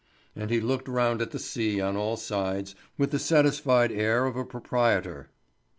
And he looked round at the sea on all sides, with the satisfied air of a proprietor.